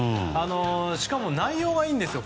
しかも、内容もいいんですよ。